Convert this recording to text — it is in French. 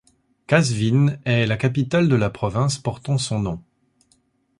Qazvin est la capitale de la province portant son nom.